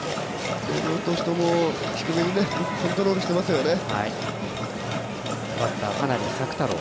両投手とも低めによくコントロールしてますよね。